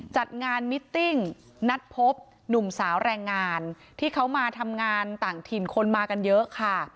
จัดงานมิตติ้งนัดพบหนุ่มสาวแรงงานที่เขามาทำงานต่างถิ่นคนมากันเยอะค่ะ